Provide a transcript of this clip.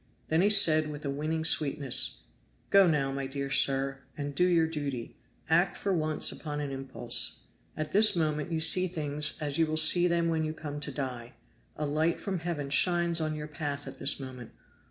Then he said with a winning sweetness, "Go now, my dear sir, and do your duty. Act for once upon an impulse. At this moment you see things as you will see them when you come to die. A light from Heaven shines on your path at this moment.